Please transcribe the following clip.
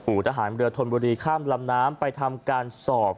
ทหารเรือธนบุรีข้ามลำน้ำไปทำการสอบ